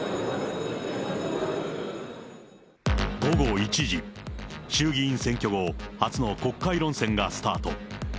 午後１時、衆議院選挙後、初の国会論戦がスタート。